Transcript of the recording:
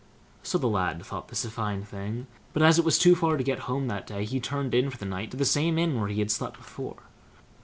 So the lad thought this a fine thing; but as it was too far to get home that day, he turned in for the night to the same inn where he had slept before.